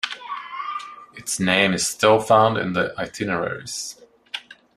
Its name is still found in the Itineraries.